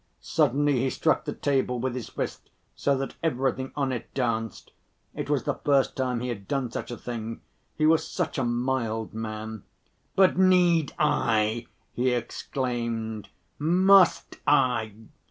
Suddenly he struck the table with his fist so that everything on it danced—it was the first time he had done such a thing, he was such a mild man. "But need I?" he exclaimed, "must I?